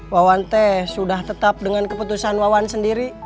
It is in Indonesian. wawan teh sudah tetap dengan keputusan wawan sendiri